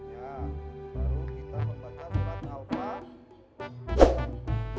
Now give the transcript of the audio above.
ya baru kita membaca surat al farm